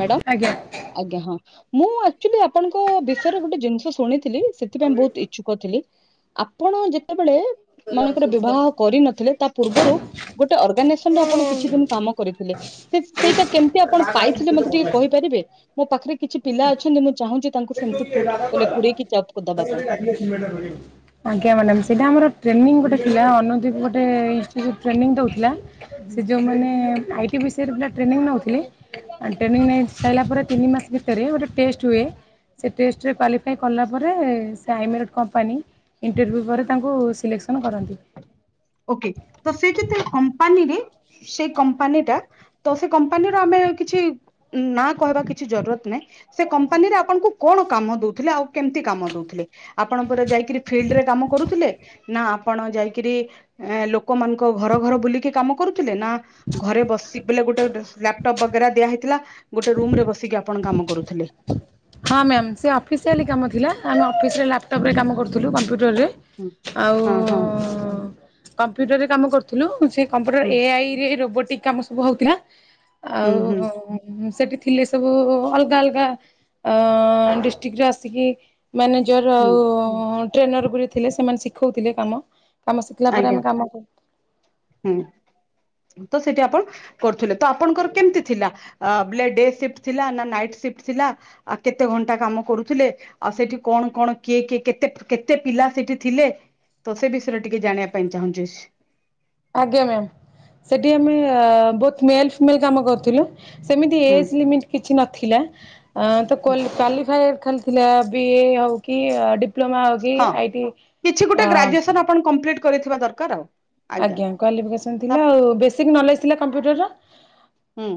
Madam, ଆଜ୍ଞା। ଆଜ୍ଞା ହଁ ମୁଁ ଆକଚୋଲି ଆ ଆପଣଙ୍କ ବିଷୟରେ ଗୋଟେ ଜିନିଷ ଶୁଣିଥିଲି ସେଥିପାଇଁ ବହୁତ ଇଚ୍ଛୁକ ଥିଲି। ଆପଣ ଯେତେବେଳେ ବେଳେ ମନେଙ୍କର ବିବାହ କରିନଥିଲେ ତା ପୂର୍ବରୁ ଗୋଟେ ଅର୍ଗାନାଇଜେସନରେ ଆପଣ କିଛି ଦିନ କାମ କରିଥିଲେ ସେଇଟା କେମତି ଆପଣ ଆଜ୍ଞା ପାଇଥିଲେ ମତେ ଟିକେ କହିପାରିବେ, ମୋ ପାଖରେ କିଛି ପିଲା ଅଛନ୍ତି ମୁଁ ଚାହୁଁଛି ତାଙ୍କୁ ସେ ଯୋଉ ସେମିତି ଇଏ ପୁଟ ରାଧା ବୋଲେ କୁଆଡେ ଗଲା, ପୁରେଇକି ଜବ୍ ଦବା ପାଇଁ ତାକୁ ଇଏ ଡାକିଲୁ ସିମେଣ୍ଟ ଗୋଳେଇବ। ଆଜ୍ଞା ମ୍ୟାଡାମ୍ ସେଇଟା ଆମର ଟ୍ରେନିଂ ଗୋଟେ ଥିଲା ଅନୁଦୀପ ଗୋଟେ ଇନସିଚିଉଟ ଟ୍ରେନିଂ ଦେଉଥିଲା ସେ ଯେଉଁମାନେ ଆଇ ଟି ବିଷୟରେ ପୁରା ଟ୍ରେନିଂ ନେଉଥିଲେ ଟ୍ରେନିଂ ନେଇ ସାରିଲା ପରେ ତିନି ମାସ ଭିତରେ ଗୋଟେ ଟେଷ୍ଟ ହୁଏ। ସେ ଟେଷ୍ଟରେ କ୍ଵାଲିଫାଏ କଲା ପରେ ସେ ଆଇମେରଟ୍ କମ୍ପାନୀ ଇଣ୍ଟରଭ୍ୟୁ ପରେ ତାଙ୍କୁ ସିଲେକ୍ସନ୍ କରନ୍ତି। ଓକେ ତ ସେଇଠି ତ କମ୍ପାନୀରେ ସେଇ କୋମ୍ପାନୀଟା ତ ସେ କମ୍ପାନୀର ଆମେ କିଛି ଉଁ ନାଁ କହିବା କିଛି ଜରୁରତ ନାଇଁ। ସେ କମ୍ପାନୀରେ ଆପଣଙ୍କୁ କଣ? କାମ ଦଉଥିଲେ ଆଉ କେମିତି କାମ ଦଉଥିଲେ? ଆପଣ ପରା ଯାଇକିରି ଫିଲ୍ଡରେ କାମ କରୁଥିଲେ। ନା ଆପଣ ଯାଇକିରି ଏଁ ଲୋକମାନଙ୍କ ଘର ଘର ବୁଲିକି କାମ କରୁ ଥିଲେ ନା ଘରେ ବସିକି ବୋଲେ ଗୋଟେ ଗୋଟେ ଲାପଟପ୍ ବଗେରା ଦିଆହେଇଥିଲା ଗୋ ଗୋଟେ ରୁମରେ ବସିକି ଆପଣ କାମ କରୁଥିଲେ? ହଁ ମ୍ୟାମ୍ ସେ ଅଫିସିଆଲି କାମ ଥିଲା ଅଫିସରେ ଲାପଟପରେ କାମ କରୁଥିଲୁ କମ୍ପ୍ୟୁ ଟରରେ ଆଉ ହଁ ହଁ ଅଁ କମ୍ପ୍ୟୁଟର ରେ କାମ କରୁଥିଲୁ ସେ କମ୍ପ୍ୟୁଟର ହୁଁ ଏଆଇରେ ରୋବୋ ଟିକ୍ କାମ ସବୁ ହଉଥିଲା। ହୁଁ ଆଉ ହୁଁ ଉଁ ସେଠି ଥିଲେ ସବୁ ଅଲଗା ଅଲଗା। ଡିଷ୍ଟ୍ରିକ୍ଟରେ ଆସିକି। ମ୍ୟାନେଜର ହୁଁ ଆଉ। ଟ୍ରେନର ଗୁରୁ ଥିଲେ ସେମାନେ ଶିଖଉଥିଲେ କାମ। କାମ ଶିଖିଲା ପରେ ଆଜ୍ଞା ଆମେ କାମ କରୁ। ହୁଁ। ତ ସେଠି ଆପଣ କରୁଥିଲେ ତ ଆପଣଙ୍କର କେମିତି ଥିଲା, ବଲେ ଡେ ସିଫ୍ଟ ଥିଲା ନା ନାଇଟ୍ ସିଫ୍ଟ ଥିଲା, ଆ କେତେ ଘଣ୍ଟା କାମ କରୁଥିଲେ, ଆଉ ସେଠି କଣ କଣ କିଏ କିଏ କେତେ କେତେ ପିଲା ସେଠି ଥିଲେ ତ ସେ ବିଷୟରେ। ଟିକେ ଜାଣିବା ପାଇଁ ଚାହୁଁଚି। ଆଜ୍ଞା ମ୍ୟାମ ସେଠି ଆମେ ବୋଥ ମେଲ ଫିମେଲ କାମ କରୁଥିଲୁ। ସେମିତି ହୁଁ ଏଜ ଲିମିଟ କିଛି ନ ଥିଲା। ଆ ତ କ୍ୱାଲି କାଲିଫାଏ। ଖାଲିଥିଲା ବି ଏ ହଉ କି। ଡିପ୍ଲୋମା ହଉ କି ହଁ ଆଇ ଟି କିଛି ଅ ଗୋଟେ ଗ୍ରାଜୁଏସନ ଆପଣ କଂପ୍ଲିଟ୍। କରିଥିବା ଦରକାର ଆଉ। ଆଜ୍ଞା କ୍ୱାଲିଫିକେସନ୍ ଥିଲା ତାପରେ ଆଉ ବେସିକ ନଲେଜ ଥିଲା। କମ୍ପ୍ୟୁଟରର। ହୁଁ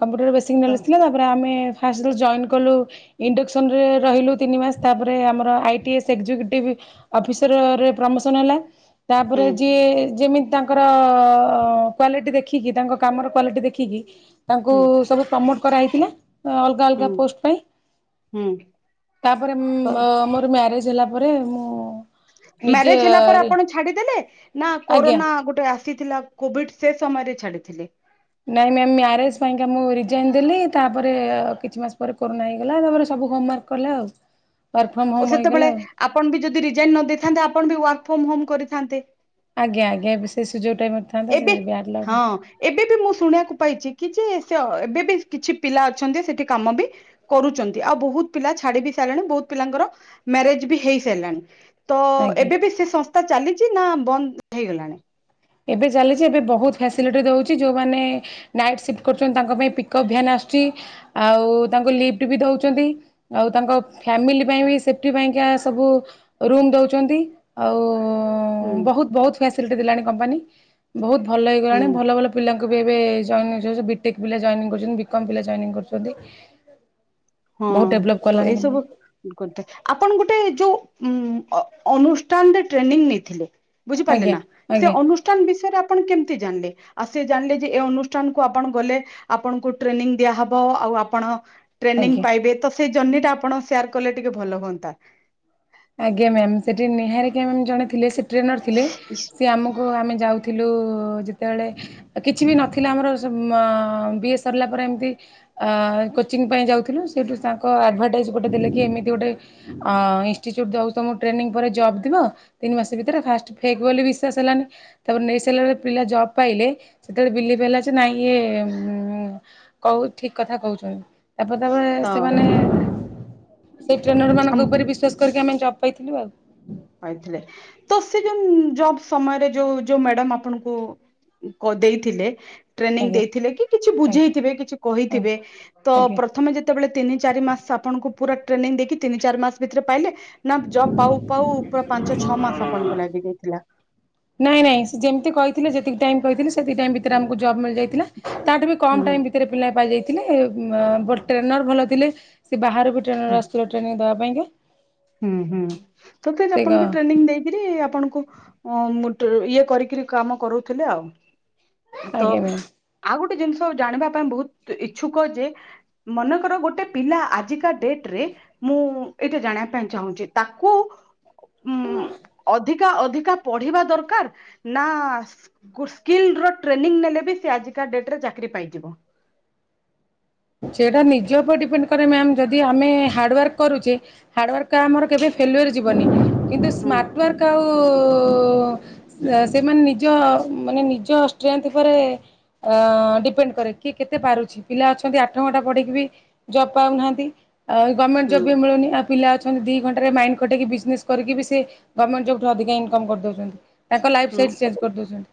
କମ୍ପୁଟରର ବେସିକ ତ ନଲେଜ ଥିଲା ତାପରେ ଆମେ। ଫାଷ୍ଟ ଜଏନ୍ କଲୁ ଇଣ୍ଡକ୍ସନରେ ରହିଲୁ ତିନି ମାସ ତାପରେ ଆମର ଆଇଟିଏସ୍ ଏକ୍ଜିକ୍ୟୁଟିଭ୍ ଅଫିସରରେ ପ୍ରମୋସନ୍ ହେଲା। ହୁଁ ତାପରେ ଯିଏ। ଯେମିତି ତାଙ୍କର କ୍ଵାଲିଟି ଦେଖିକି ତାଙ୍କ କାମର କ୍ଵାଲିଟି ଦେଖିକି। ତାଙ୍କୁ ହୁଁ ସବୁ ପ୍ରମୋ କରାହେଇଥିଲା। ଅଲଗା ଅଲଗା ହୁଁ ପୋଷ୍ଟ ପାଇଁ ହୁଁ ତାପରେ ମ ତ ମୋର ମ୍ୟାରେଜ ହେଲା। ତାପରେ ମୁଁ। ନିଜେ ମ୍ୟାରେଜ ହେଲା ପରେ ଆପଣ ଛାଡିଦେଲେ ନା। ଆଜ୍ଞା। କରୋନା ଗୋଟେ। ଆସିଥିଲା କୋଭିଡ ସେ ସମୟରେ ଛାଡିଥିଲି। ନାଇଁ ମ୍ୟାମ ମ୍ୟାରେଜ ପାଇଁ କା ମୁଁ ରିଜାଇନ ଦେଲି, ତାପରେ କିଛି ମାସ ପରେ କରୋନା ହେଇଗଲା, ତାପରେ ସବୁ ହୋମାର୍କ କଲା। ଆଉ। ଫ୍ରମ୍ ଓ ହୋମ୍ ହେଇଗଲା ସେତେବେଳେ ଆଉ। ଆପଣ ବି ଯଦି ରିଜାଇନ ନ ଦେଇେଇଥାନ୍ତେ ଆପଣ ବି ୱାର୍କ ଫମ ହୋମ କରିଥାନ୍ତେ। ଆଜ୍ଞା ଆଜ୍ଞା ବି ସେ ସୁଯୋଗ ଏବେ ହଁ ଏବେ ବି ମୁଁ ଶୁଣିବାକୁ ପାଇଚି କି ଯେ ସେ ଏବେ ବି କିଛି ପିଲା ଅଚନ୍ତି ସେଠି କାମ ବି କରୁଚନ୍ତି, ଆଉ ବୋହୁତ ପିଲା ଛାଡି ବି ସାରିଲେଣି ବୋହୁତ ପିଲାଙ୍କର ମ୍ୟାରେଜ ବି ହେଇ ସାରିଲାଣି। ତ ଆଜ୍ଞା। ଏବେ ବି ସେ ସଂସ୍ଥା ଚାଲିଚି ନା ବନ୍ଦ? ହେଇଗଲାଣି। ଏବେ ଚାଲିଚି, ଏବେ ବୋହୁତ ଫ୍ୟାସିଲିଟି ଦୋଉଚି, ଯୋଉମାନେ ନାଇଟ୍ ସିଫ୍ଟ କରୁଚନ୍ତି ତାଙ୍କ ପାଇଁ ପିକଅପ୍ ଭ୍ୟାନ୍ ଆସୁଚି ଆଉ ତାଙ୍କୁ ଲିଫ୍ଟ ବି ଦୋଉଚନ୍ତି, ଆଉ ତାଙ୍କ ଫ୍ୟାମିଲି ପାଇଁ ବି ସେଫଟି ପାଇଁକା ସବୁ ରୁମ ଦୋଉଚନ୍ତି ଆଉ। ଓ ଓ ହୁଁ ବୋହୁତୁ ବୋହୁତୁ [inaudible] କମ୍ପାନୀ ବୋହୁତୁ ଭଲ ହେଇଗଲାଣି ହୁଁ ଭଲ ଭଲ ପିଲାଙ୍କୁ ଏବେ ଏବେ ଯାଏନି ବିଟେକ ପିଲା ଯଏନିଙ୍ଗି କରିଚନ୍ତି, ବିକମ ପିଲା ଯଏନିଙ୍ଗି କରିଚନ୍ତି ହଁ ତ ଏଇସବୁ ଗୋଟେ ଆପଣ ଗୋଟେ ଯୋଉ ହୁଁ ଅନୁଷ୍ଠାନରେ ଟ୍ରେନିଂ ନେଇଥିଲେ।। ବୁଝିପାରିଲେ ଆଜ୍ଞା ନାଁ ସେ ଆଜ୍ଞା ଅନୁଷ୍ଠାନ ବିଷୟରେ ଆପଣ କେମିତି ଜାଣିଲେ ଆଉ ସେ ଜାଣିଲେ ଯେ ଏ ଅନୁଷ୍ଠାନ କୁ ଆପଣ ଗଲେ, ଆପଣଙ୍କୁ ଟ୍ରେନିଂ ଦିଆହବ ଆଉ ଆପଣ ଟ୍ରେନିଂ ଆଜ୍ଞା। ପାଇବେ ତ ସେ ଜର୍ଣ୍ନି ଟା ଆପଣ ସେୟାର କଲେ ଟିକେ ଭଲ ହୁଅନ୍ତା। ଆଜ୍ଞା ମ୍ୟାାମ ସେଠି ନିହାରିକା ମ୍ୟାମ ଜଣେ ଥିଲେ ସେ ଟ୍ରେନର ଥିଲେ ସେ ଆମକୁ ଆମେ ଯାଉଥିଲେ [inaudible] ଯେତେବେଳେ କିଛି ବି ନଥିଲା ଆମର ମ ମ ବିଏ ସରିଲା ପରେ ଏମିତି କୋଚିଂ ପାଇଁ ଯାଉଥିଲୁ, ସେଇଠୁ ତାଙ୍କ ଆଡଭଟାଇଜ ଗୋଟେ ଦେଲେ କି ଏମିତି ଗୋଟେ ଆ ଇ ତ ଟ୍ରେନି ପରେ ଜବ ଥିବ, ତିନି ମାସ ଭିତରେ ଫାଷ୍ଟ ଫେକ୍ ବୋଲି ବିଶ୍ୱାସ ହେଲାନି ତାପରେ ନେଇସାରିଲା ପିଲା ଜବ୍ ପାଇଲେ, ସେତେବେଳେ ବିଲିବି ହେଲା ଯେ ନାଇଁ ଇ ଏ ଠିକ କଥା କହୁଛନ୍ତି।। ତାପରେ ତ ସେମାନେ ସେଇ ଟ୍ରେନରମାନଙ୍କ ଆମ ଉପରେ ବିଶ୍ୱାସ କରିକି ଆମେ ଜବ ପାଇଥିଲୁ ଆଉ। କହିଥିଲେ ତ ସେ ଯୋଉ ଜବ ସମୟରେ ଯୋଉ ଯୋଉ ମ୍ୟାଡାମ ଆପଣଙ୍କୁ ଦେଇଥିଲେ ଟ୍ରେନିଂ ଆଜ୍ଞା ଦେଇଥିଲେ କି କିଛି ଆଜ୍ଞା ବୁଝେଇଥିବେ, କିଛି କହିଥିବେ, ତ ଆଜ୍ଞା। ପ୍ରଥମେ ଯେତେବେଳେ ତିନି ଚାରିମାସ ଆପଣଙ୍କୁ ପୁରା ଟ୍ରେନିଂ ଦେଇକି ତିନି ଚାରି ମାସ ଭିତରେ ପାଇଲେ। ନାଁ ଜବ ପାଉ ପାଉ ପାଞ୍ଚ ଛଅମାସ ଆପଣଙ୍କୁ ଲାଗିଯାଇଥିଲା।। ନାଇଁ ନାଇଁ ସେ ଯେମିତି କହିଥିଲେ ଯେତିକି ଟାଇମି କହିଥିଲେ ସେତିକି ଟାଇମି ଭି ଭିତରେ ଆମକୁ ଜବ୍ ମିଳି ଯାଇଥିଲା, ତାଠୁ ବି ହୁଁ କମ୍ ଟାଇମ୍ ଭିତରେ ପିଲା ପାଇଯାଇଥି ଥିଲେ ବ ଟ୍ରେନର ଭଲ ଥିଲେ ସେ ବାହାରୁ ହୁଁ ଟ୍ରେନର ଆସିଥିଲେ ଟ୍ରେନିଂଙ୍ଗି ଦେବା ପାଇଁ କା ହୁଁ ହୁଁ ତତେ ସେ ଆପଣଙ୍କୁ ଟ୍ରେନିଂ ଦେଇକିରି ଆପଣ ମୋଟ ଇଏ କରିକିରି କାମ କରୁଥିଲେ ଆଉ ତ ଆଜ୍ଞା ମ୍ୟାମ୍। ଆଉ ଗୋ ଜିନିଷ ଜାଣିବା ପାଇଁ ବହୁତ ଇଛୁକ ଯେ ମନେକର ଗୋଟେ ପିଲା ଆଜିକା ଡେଟ ରେ ମୁଁ ଏଇଟା ଜାଣିବା ଚାହୁଁଛି ତାକୁ ଉଁ ଅଧିକା ଅଧିକା ପଢିବା ଦରକାର ନା କୃଷିକିଲ ଟ୍ରେନି ନେଲେ ବି ସେ ଆଜିକା ଡେଟରେ ଚାକିରୀ ପାଇଯିବ ସେଟା ନିଜେ ଉପ ଉପରେ ଡିପେଣ୍ଡ ରେ ମ୍ୟାମ୍ ଯଦି ଆମେ ହାର୍ଡ଼ୱାର୍କ କରୁଚେ ହାର୍ଡ ୱାର୍କ ଆମର କେବେ ଫେଲୁଅର ଯିବନି। କିନ୍ତୁ ହୁଁ ସ୍ମାଟ ୱାର୍କ ଆଉ ଉଁ ସେମାନେ ନିଜ ମାନେ ନିଜ ଷ୍ଟ୍ରେଥ୍ ଉପରେ ଅଁ ଡିପେଣ୍ଡ କରେ କିଏ କେତେ ପାରୁଛି ପିଲା ଅଛ ନ୍ତି ଆଠ ଘଣ୍ଟା ପଢିକି ବି ଜବ୍ ପାଉନାହାଁନ୍ତି ଆଉ ଗମେଣ୍ଟ ଜବ୍ ହୁଁ ବି ମିଳୁନି ଆ ପିଲା ଅଛନ୍ତି ଦି ଘଣ୍ଟାରେ ମାଇଣ୍ଡ ଖଟେଇକି ବିଜନେସ କରିକି ବି ସେ ଗମେଣ୍ଟ ଜବଠୁ ଅଧିକା ଇନକମ କରିଦଉଛନ୍ତି। ତାଙ୍କ ଲାଇଫ୍ ଷ୍ଟାଇଲ ହୁଁ ଚେଞ୍ଜ କରିଦଉଛନ୍ତି।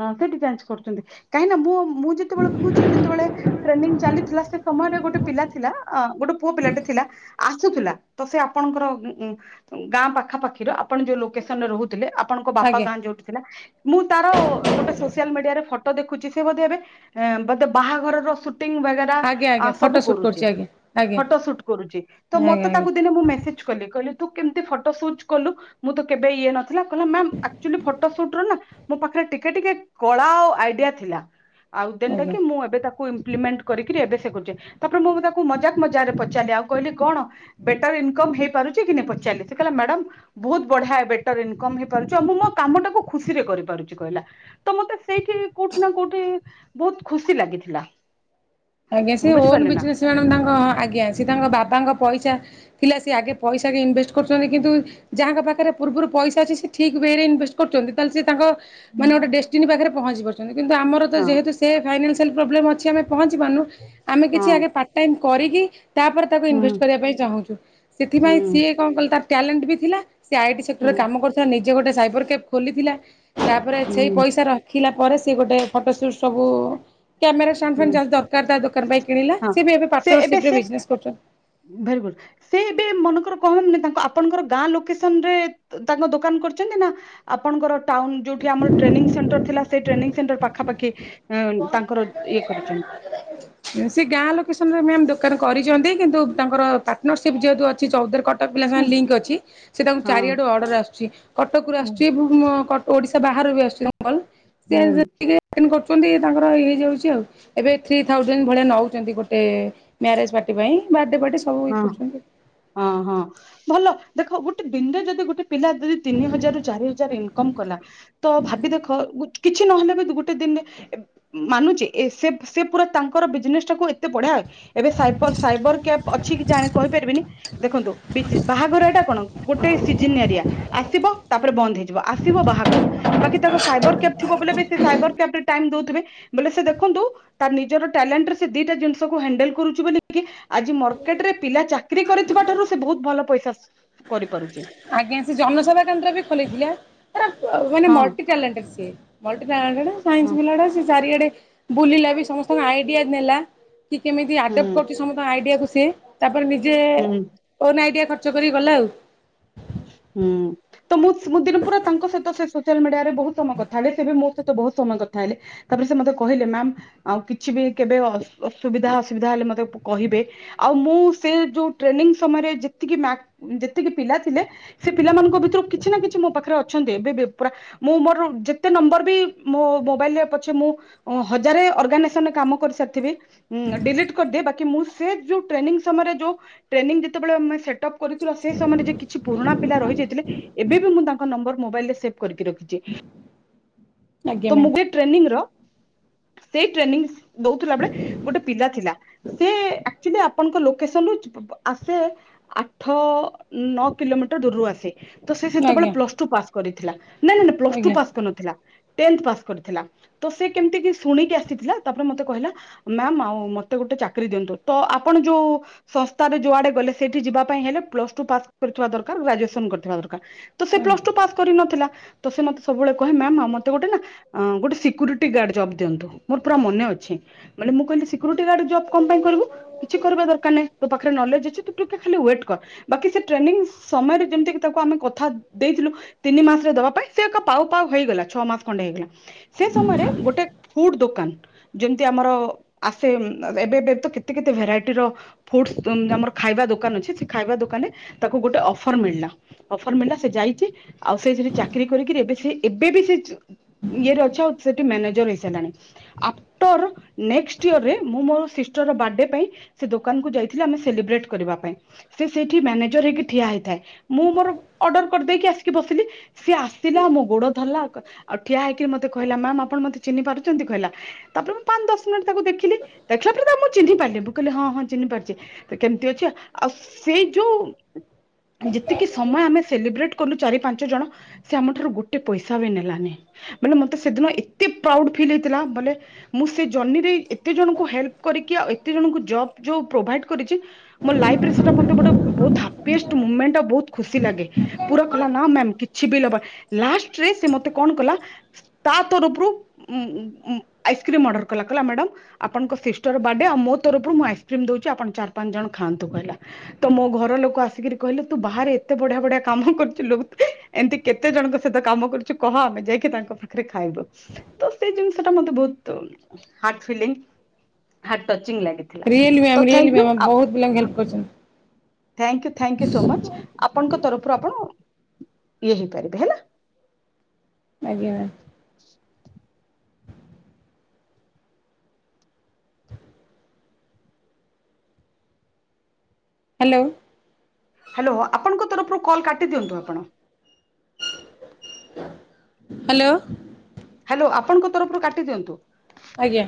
ହଁ ସେଠି ଯାଞ୍ଚ କରୁଛନ୍ତି କାହିଁକି ନା ମୁଁ ମୁଁ ଯେତେବେଳେ କହୁଛି ଯେତେବେଳେ ଟ୍ରେନିଂ ଚାଲିଥିଲା ସେ ସମୟରେ ଗୋଟେ ପିଲା ଥିଲା ଅଁ ଗୋଟେ ପୁଅ ପିଲାଟେ ଥିଲା ଆସୁଥିଲା ତ ସେ ଆପଣଙ୍କର ଉଁ ଉଁ ଗାଁ ପାଖାପାଖିର ଆ ଆପଣ ଯୋଉ ଲୋକେସନରେ ରହୁଥିଲେ ଆପଣଙ୍କ ବାପା ଆଜ୍ଞା ଗାଁ ଯୋଉଠି ଥିଲା ମୁଁ ତାର ସୋସିଆଲ ମିଡିଆରେ ଫଟୋ ଦେଖୁଛି ସେ ବୋଧେ ଏବେ ଏଁ ବୋଧେ ବାହାଘରର ସୁଟ୍ ଟିଙ୍ଗ୍ ବଗେରା ଆଜ୍ଞା ଆଜ୍ଞା ଫଟୋ ସବୁ ସୁଟ୍ କରୁଚି କରୁଛି ଆଜ୍ଞା ଆଜ୍ଞା ଫଟୋସୁଟ୍ କରୁଚି ତ ଆଜ୍ଞା ମତେ ଆଜ୍ଞା ତାକୁ ଦିନେ ମୁଁ ମେସେଜ କଲି କହିଲି ତୁ କେମିତି ଫଟୋ ସୁଚ କଲୁ ମୁଁ ତ କେବେ ଇଏ ନ ଥିଲା କହିଲା ମ୍ୟାମ୍ ଆକଚୁଆଲି ଫଟୋ ସୁଟର ନା ମୋ ପାଖରେ ଟିକ୍ ଟିକେ ଟିକେ କଳା ଆଉ ଆଇଡିଆ ଥିଲା। ଆଉ ଦେନଟା ଆଜ୍ଞା କି ମୁଁ ଏବେ ତାକୁ ଉଁ ଇମ୍ପ୍ଲିମେଣ୍ଟ କରିକିରି ଏବେ ସେ କରୁଛେ ତାପରେ ମୁଁଁ ତାକୁ ମଜାକ ମଜାରେ ପଚାରିଲି ଆଉ କହିଲି କଣ ବେଟର ଇନକମ୍ ହେଇପାରୁଛି କି ନାଇଁ ପଚାରିଲି ସେ କହିଲା ମ୍ୟାଡ଼ାମ ବହୁତ ବଢିଆ ବେଟର ଇନକମ୍ ହେଇପାରୁଛି ଆଉ ମୁଁ ମୋ କାମଟାକୁ ଖୁସିରେ କରିପାରୁଛି କହିଲା। ତ ମତେ ସେଇଠି କୋଉଠି ନା କୋଉଠି ବହୁତ ଖୁସି ଲାଗିଥିଲା। ଆଜ୍ଞା ସେ ଓନ୍ ବୁଝିପାରିଲେ ନା ବିଜନେସ୍ [unintelligible] ତାଙ୍କ ଆଜ୍ଞା। ସେ ତାଙ୍କ ବାବାଙ୍କ ପଇସା ଥିଲା ସେ ଆଗେ ପଇସାକେ ଇନଭେଷ୍ଟ କରୁଛନ୍ତି କିନ୍ତୁ ଯାହାଙ୍କ ପାଖରେ ପୂର୍ବରୁ ପଇସା ଅଛି ସେ ଠିକ୍ ୱେରେ ଇନଭେଷ୍ଟ କରୁଛନ୍ତି ତାହେଲେ ସେ ତାଙ୍କ ମାନେ ଗୋଟେ ଡେଷ୍ଟିନ ପାଖରେ ପହଞ୍ଚିପାରୁ କିନ୍ତୁ ଆମର ତ ହଁ ଯେହେତୁ ସେ ଫାଇନାସ୍ ସିଆଲ ପ୍ରୋବଲେମ୍ ଅଛି ଆମେ ପହଞ୍ଚି ପାରୁନୁ ଆମେ କିଛି ହଁ ଆଗେ ପାଟ୍ ଟାଇମ୍ କରିକିି ତାପରେ ତାକୁ ହୁଁ ଇନଭେଷ୍ଟ କରିବା ପାଇଁ ଚାହୁଁଛୁ ହୁଁ ସେଥିପାଇଁ ସିଏ କଣ କଲେ ତା ଟ୍ୟାଲେଣ୍ଟ ବି ଥିଲା ସେ ଆଇଟି ହୁଁ ସେକ୍ଟରରେ କାମ କରୁଥିଲା ନେଇ ସେ ଗୋଟେ ସାଇବର କେଫ୍ ଖୋଲିଥିଲା ତାପରେ ସେଇ ହୁଁ ପଇସା ରଖି ଖିଲା ପରେ ସେ ଗୋଟେ ଫଟୋ ସୁଟ ସବୁ କ୍ୟାମେରା ଷ୍ଟାଣ୍ଡ ହୁଁ ଫଣ୍ଡା ଯଦି ଦର୍ ତା ଦୋକାନ ପାଇଁ କିଣିଲା ହଁ ସେ ବି ଏବେ ପାଟନର୍ଶିପ୍ ରେ ବିଜନେସ୍ କରୁଛନ୍ତି। ଭେରି ଗୁଡ୍ ସେ ଏବେ ମନେକର କହନ ତା ଆପଣଙ୍କର ଗାଁ ଲୋକେସନ୍ ରେ ତାଙ୍କ ଦୋକାନ କରିଛନ୍ତି ନା ଆପଣଙ୍କର ଟାଉନ ଯୋଉଠି ଆମର ଟ୍ରେନିଂ ସେଣ୍ଟର ଥିଲା। ସେଇ ଟ୍ରେନିଂ ସେଣ୍ଟର ପାଖାପାଖି ଅଁ, ତାଙ୍କର ଇଏ କରିଛନ୍ତି ସେ ଗାଁ ଲୋକ ରେ ମ୍ୟାମ୍ ଦୋକାନ କରିଛନ୍ତି କିନ୍ତୁ ତାଙ୍କର ପାଟନର୍ଶିପ୍ ଯେହେତୁ ଅଛି ଚୌ ପିଲା ହଁ ସାଙ୍ଗ ଲିଙ୍କ ଅଛି ସେତାଙ୍କୁ ହଁ ଚାରିଆଡୁ ଅର୍ଡର ଆସୁଛି କଟରୁ ଓ, ଆସୁଛି ଉଁ ଓଡ଼ିଶା ବାହାରୁ ବି ଆସୁଛନ୍ତି। ହୁଁ ସେ [unintelligible] ଛନ୍ତି ତାଙ୍କର ଇ ହେଇଯାଉଛି ଆଉ ଏବେ ଥ୍ରୀ ଥାଜେଣ୍ଡ ଭଳିଆ ନଉଛନ୍ତି ଗୋଟେ ଏ ମ୍ୟାରେଜ୍ ପାର୍ଟି ପାଇଁ ବା ହଁ ହଁ ହଁ ଭଲ ଦେଖ ଗୋଟେ ଦିନରେ ଯଦି ଗୋଟେ ପିଲା ଯଦି ତିନି ହଜାର ରୁ ଚାରି ହଜାର ଇନକମ କଲା ତ ଭାବି ଦେଖ କିଛି ନହେଲେ ବି ଗୋଟେ ଦିନରେ ମାନୁଛି ଏ ସେ ସେ ପୁରା ତାଙ୍କର ବିଜନେସ୍ ଟାକୁ ଏତେ ବଢିଆ ଏବେ ସାଇପର ସାଇବର କ୍ୟାପ୍ ଅଛି କି ଜାଣ କହିପାରିବିନି ଦେଖନ୍ତୁ ବୀଜ ବାହାଘରଟା କଣ ଗୋଟେ ସିଜିନ ଏରିଆ ଆସିବ ତାପରେ ବନ୍ଦ ହେଇଯିବ ଆସିବ ବାହାଘର ବାକି ତାଙ୍କ ସାଇବର୍ କ୍ୟାବ ଥିବ ବୋଲି ବି ସେ ସାଇବର୍ କ୍ୟାବ ରେ ଟାଇମ୍ ଦଉଥିବେ ବୋଲେ ସେ ଦେଖନ୍ତୁ ତା ନିଜର ଟ୍ୟାଲେଣ୍ଟରେ ସେ ଦିଟା ଜିନିଷକୁ ହ୍ୟାଣ୍ଡେଲ୍ କରୁଛି ବୋଲିକି ଆଜି ସେଟରେ ପିଲା ଚାକିରି କରିଥିବା ଠାରୁ ସେ ବହୁତ ଭଲ ପଇସା କରିପାରୁଛି। ଆଜ୍ଞା ସେ ଜନସେବା କେନ୍ଦ୍ର ବି ଖୋଲିଥିଲା। ମାନେ ହଁ ମଲ୍ଟି ଟାଲେନ୍ଟେଡ୍ ସ ମଲ୍ଟି ଟାଲେଣ୍ଟେଡ୍ ହଁ ସାଇନ୍ସ ପିଲଟା ସେ ଚାରିଆଡ଼େ ବୁଲିଲା ବି ସମସ୍ତଙ୍କ ଆଇଡିଆ ନେଲା। କି କେମିତି ହୁଁ ଆଡପ୍ଟ କରୁଚି ସମସ୍ତଙ୍କ ଆଇଡିଆକୁ ଇଏ ତା ନିଜେ ହୁଁ। ଓନ ଆଇଡିଆ ଖ ଚ କରି ଗଲା ଆଉ। ହୁଁ। ତ ମୁଁ ମୁଁ ଦିନ ପୁରା ତାଙ୍କ ସହିତ ଶେଷ ସିଆଲ୍ ମିଡିଆ ବୋହୁତ ସମୟ କଥା ହେଲେ ସେ ବି ମୋ ସେ ତ ବୋହୁତ ସମୟ କଥା ହେଲେ। ତାପରେ ସେ ମତେ କହିଲେ ମ୍ୟାାମ ଆଉ କିଛି ବି କେବେ ଅସ୍ ଅସୁବିଧା ଅସୁବିଧା ହେଲେ ମତେ କହିବେ। ଆଉ ମୁଁ ସେ ଯୋଉ ଟ୍ରେନିଂ ସମୟରେ ଯେତିକି ମାକ୍ ଯେତିକି ପିଲା ଥିଲେ ସେ ପିଲାମାନଙ୍କ ଭିତରୁ କିଛି ନାଁ କିଛି ମୋ ପାଖରେ ଅଛନ୍ତି ଏବେ ବି ପୁରା ମୁଁ ମୋର ଯେତେ ନମ୍ବର ବି ମୋ ମୋବାଇଲରେ ଅଛ ମୁଁ ଉଁ ହଜାରେ ଅର୍ଗାନେସନରେ କାମ କରି ସାରିଥିବି ଉଁ ଡିଲିଟ କରିଦିଏ ବାକି ମୁଁ ସେ ଯୋଉ ଟ୍ରେନିଂ ସମୟରେ ଯୋଉ ଟ୍ରେନିଂ ଯେତୋବେଳେ ଆମେ ସେଟପ କରିଥିବି ସେ ସମୟରେ ଯେ କିଛି ପୁରୁଣା ପିଲା ରହିଯାଇଥିଲେ ଏବେ ବି ମୁଁ ତାଙ୍କ ନମ୍ବର ମୋବାଇଲରେ ସେଭ୍ କରିକି ରଖିଚି। ଆଜ୍ଞା ତ ମୁଁ ମ୍ୟାମ୍ ଦେ ଟ୍ରେନିଂର ସେଇ ଟ୍ରେନିଂ ଦୋଉଥୁଲା ବେଳେ ଗୋଟେ ପିଲା ଥିଲା। ସେ ଆକ୍ଚୁଲି ଆପଣଙ୍କ ଲୋକେସନରୁ ଆସେ ଆଠ ନଅ କିଲୋମିଟର ଦୂରରୁ ଆସେ। ତ ସେ ଆଜ୍ଞା ସେତୋବେଳେ ପ୍ଲସ ଆଜ୍ଞା ଟୁ ପାସ୍ କରିଥିଲା ନାଁ ନାଇଁ ନାଇଁ ପ୍ଲସ ଟୁ ପାସ୍ କରିନଥିଲା। ଟେନ୍ଥ ପାସ୍ କରିଥିଲା ତ ସେ କେମତି କି ଶୁଣିକି ଆସିଥିଲା। ତାପରେ ମତେ କହିଲା ମ୍ୟାାମ ଆଉ ମତେ ଗୋଟେ ଚାକିରି ଦିଅନ୍ତୁ। ତ ଆପଣ ଯୋଉ ସଂସ୍ଥାରେ ଯୋଉ ଆଡେ ଗଲେ ସେଇଠି ଯିବା ପାଇଁ ହେଲେ ପ୍ଲସ ଟୁ ପାସ୍ କରିଥିବା ଦରକାର ଗ୍ରାଜୁଏସନ କରିଥିବା ଦରକାର। ତ ସେ ଆଜ୍ଞା। ପ୍ଲସ ଟୁ ପାସ୍ କରିନ ଥିଲା ତ ସେ ମତେ ସବୁବେଳେ କହେ ମ୍ୟାମ୍ ଆମ ମତେ ଗୋଟେ ନାଁ ଗୋଟେ ସିକୁରିଟି ଗାର୍ଡ ଜବ ଦିଅନ୍ତୁ। ମୋର ପୁରା ମନ ଅଛି ମାନେ ମୁଁ କହିଲି ସିକୁରିଟି ଗାଡ୍ ଜବ କଣ ପାଇଁ କରିବୁ? କିଛି କରିବା ଦରକାର ନାହିଁ ତୋ ପାଖରେ ନଲେଜ ଅଛି ତୁ ଟିକେ ଖାଲି ୱେଟ କର ବାକି ସେ ଟ୍ରେନିଂ ସମୟରେ ଯେମତି ତାକୁ ଆମେ କଥା ଦେଇଥିଲୁ ତିନି ମାସରେ ଦବା ପାଇଁ ସେ ଏକ ପାଉ ପାଉ ହେଇଗଲା ଛଅ ମାସ। ଖଣ୍ଡେ ହେଇଗଲା ସେ ସମୟରେ ଗୋଟେ ଫୁଡ୍ ଦୋକାନ ଯେମତି ଆମର ଆସେ ଏବେ କେତେ କେତେ ଭେରାଇଟିର ଫୁଡ୍ସ୍ ଆମର ଖାଇବା ଦୋକାନ ଅଛି ସେ ଖାଇବା ଦୋକାନରେ ତାକୁ ଗୋଟେ ଅଫର ମିଳିଲା ଅଫର ମିଳିଲା ସେ ଯାଇଛଚି। ଆଉ ସେଠି ଚାକିର କରିକିରି ଏବେ ସେ ଏବେ ବି ସେ ଇଏରେ ଅଛି ଆଉ ସେଠି ମ୍ୟାନେଜର ହେଇସାରିଲାଣି। ଆଫ୍ଟର ନେକଷ୍ଟ ଇରରେ ମୁଁ ମୋର ସିଷ୍ଟରର ବାଡେ ପାଇଁ ସେ ଦୋକାନକୁ ଯାଇଥିଲି ଆମେ ସେଲିବ୍ରେଟ କରିବା ପାଇଁ। ସେ ସେଇଠି ମ୍ୟାନେଜର ହେଇକି ଠିଆ ହେଇଥାଏ। ମୁଁ ମୋର ଅର୍ଡର କରିଦେଇକି ଆସିକି ବସିଲି। ସିଏ ଆସିଲା ମୋ ଗୋଡ ଧରିଲା ଆଉ କ ଅ ଠିଆ ହେଇକିରି ମତେ କହିଲା ମ୍ୟାମ୍ ଆପଣ ମତେ ଚିହ୍ନି ପାରୁଚଚନ୍ତି କହିଲ ତାପରେ ମୁଁ ପାଞ୍ଚ ଦଶ ମିନିଟ୍ ତାକୁ ଦେଖିଲି ଦେଖିଲା ପରେ ତାକୁ ମୁଁ ଚିହ୍ନି ପାରିଲି ମୁଁ କହିଲି ହଁ ହଁ ଚିହ୍ନି ପାରୁଚି। ତ କେମିତି ଅଛି ଆଉ ସେଇ ଯୋଉ ଯେତିକି ସମୟ ଆମେ ସେଲିବ୍ରେଟ କଲୁ ଚାରି ପାଞ୍ଚ ଜଣ ସେ ଆମଠାରୁ ଗୋଟେ ପଇସା ବି ନେଲାନି। ମାନେ ମତେ ସେଦିନ ଏତେ ପ୍ରାଉଡ ଫିଲ୍ ହେଇଥିଲା ବଲେ ମୁଁ ସେ ଜର୍ଣ୍ଣିରେ ଏତେ ଜଣଙ୍କୁ ହେଲ୍ପ କରିକି ଆଉ ଏତେ ଜଣଙ୍କୁ ଜବ ଯୋଉ ପ୍ରୋଭାଇଡ କରିଚି ମୋ ଲାଇଫ ଆନରେ ସେଟା ମତେ ଗୋଟେ ବହୁତ ହାପିଷ୍ଟ ମୂମେଣ୍ଟ ଆ ବହୁ ଖୁସି ଲାଗେ ପୁରା କଲା ନା ମୟାମ୍ କିଛି ବିବା ଲାଷ୍ଟରେ ମତେ କଣ କଲା ତା ତରଫରୁ ଉଁ ଆଇସ୍କ୍ରିମ ଅର୍ଡର କଲା। କଲା ମାଡମ ଆପଣଙ୍କ ସିଷ୍ଟର ବାଡେ ଆଉ ମୋ ତରଫରୁ ମୁଁ ଆଇସ୍କ୍ରିମ ଦୋଉଚି ଆପଣ ଚାରି ପାଞ୍ଚ ଜଣ ଖାଆନ୍ତୁ। କହିଲା ତ ମୋ ଘର ଲୋକ ଆସିକିରି କହିଲେ ତୁ ବାହାରେ ଏତେ ବଢ଼ିଆ ବଢ଼ିଆ କାମ କରଥିଲୁ ଏମତି କେତେ ଜଣଙ୍କ ସହିତ କାମ କରୁଚୁ କହ ଆମେ ଯାଇକି କି ତାଙ୍କ ପାଖରେ ଖାଇବୁ ତ ସେଇ ଜିନିଷଟା ମତେ ବୋହୁତ୍ heart feeling heart touch really ma'am really ma'am ବୋହୁତ ପିଲାଙ୍କୁ ହେଲ୍ପ କରୁଛନ୍ତି। Thank you thank you so much. ଆପଣଙ୍କ ତରଫରୁ ଆପଣ ଇଏ ହେଇପାରିବେ ହେଲା। ଆଐଜ୍ଞ ମ୍ୟା ହାଲୋ। ହାଲୋ ଆପଣଙ୍କ ତରଫରୁ କଲ କାଟି ଦିଅନ୍ତୁ ଆପଣ। ହାଲୋ। ହାଲୋ ଆପଣଙ୍କ ତରଫରୁ କାଟି ଦିଅନ୍ତୁ। ଆଜ୍ଞା।